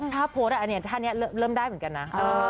ถ้าโพสต์อันนี้ท่านี้เริ่มได้เหมือนกันนะ